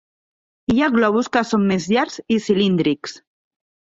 Hi ha globus que són més llargs i cilíndrics.